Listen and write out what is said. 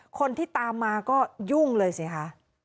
คนที่ตามมาก็ยุ่งเลยสิคะ